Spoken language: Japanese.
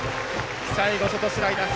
最後、外、スライダー。